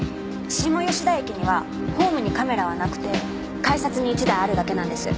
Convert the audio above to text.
下吉田駅にはホームにカメラはなくて改札に１台あるだけなんです。